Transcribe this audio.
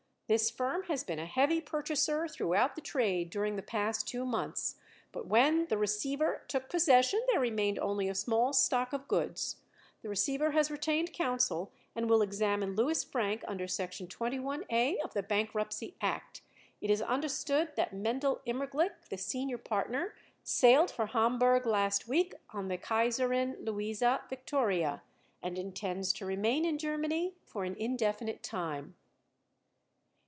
This firm has been a heavy purchaser throughout the trade during the past two months, but when the receiver took possession there remained only a small stock of goods. The receiver has retained counsel and will examine Louis Frank under Section 21 A of the Bankruptcy Act. It is understood that Mendel Immerglick, the senior partner, sailed for Hamburg last week on the Kaiserin Luisa Victoria and intends to remain in Germany for an indefinite time."